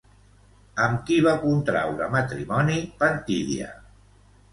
Amb qui va contraure matrimoni Pantidia?